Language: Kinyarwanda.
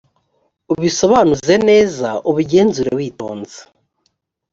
ubisobanuze neza, ubigenzure witonze.